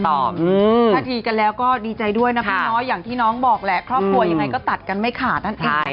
ถ้าดีกันแล้วก็ดีใจด้วยนะพี่น้อยอย่างที่น้องบอกแหละครอบครัวยังไงก็ตัดกันไม่ขาดนั่นเอง